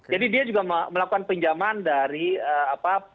jadi dia juga melakukan pinjaman dari apa